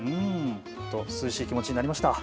とても涼しい気持ちになりました。